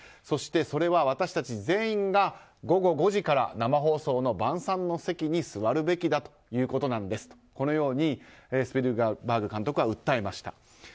そして、それは私たち全員が午後５時から生放送の晩餐の席に座るべきだということなのですとこのようにスピルバーグ監督は訴えました。